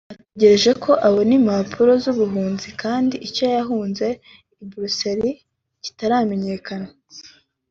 ategereje ko abona impapuro z’ubuhunzi kandi icyo yahunze I Bruxelles kitaramenyakana